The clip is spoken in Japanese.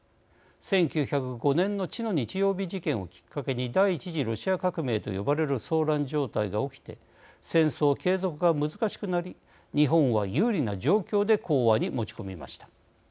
１９０５年の血の日曜日事件をきっかけに第１次ロシア革命と呼ばれる騒乱状態が起きて戦争継続が難しくなり日本は有利な状況で講和に持ち込みました。